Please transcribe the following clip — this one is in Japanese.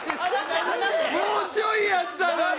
もうちょいやったのに！